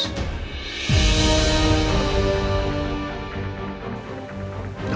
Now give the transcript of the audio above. aku bilang ke dia